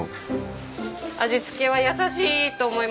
味付けは優しいと思います。